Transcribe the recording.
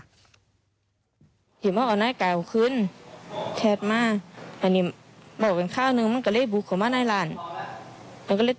ข้อเสียตบกกกหูแท้หนึ่งเหมือนมันก็เล่ากับคำปั่นตีเลยเหมือน